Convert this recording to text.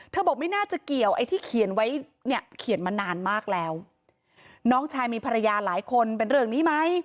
บอกไม่น่าจะเกี่ยวไอ้ที่เขียนไว้เนี่ยเขียนมานานมากแล้วน้องชายมีภรรยาหลายคนเป็นเรื่องนี้ไหม